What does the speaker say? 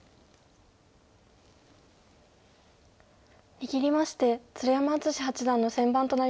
握りまして鶴山淳志八段の先番となりました。